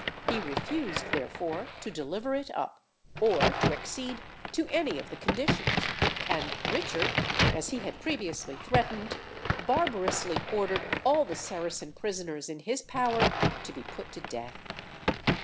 He refused, therefore, to deliver it up, or to accede to any of the conditions; and Richard, as he had previously threatened, barbarously ordered all the Saracen prisoners in his power to be put to death.